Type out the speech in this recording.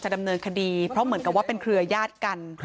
จะดำเนินคดีเพราะเหมือนเป็นเครือยาดกัน